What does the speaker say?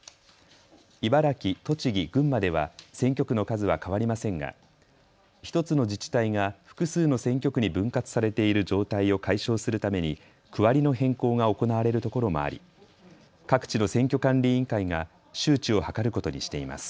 茨城、栃木、群馬では選挙区の数は変わりませんが１つの自治体が複数の選挙区に分割されている状態を解消するために区割りの変更が行われるところもあり各地の選挙管理委員会が周知を図ることにしています。